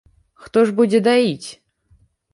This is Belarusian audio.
Хто ж будзе даіць?